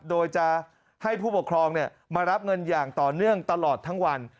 โดยจะให้ผู้ปกครองมารับเงินอย่างต่อเนื่องตลอดทั้งวัน